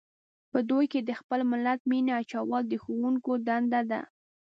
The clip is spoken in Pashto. په دوی کې د خپل ملت مینه اچول د ښوونکو دنده ده.